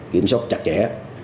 kiểm soát chặt chẽ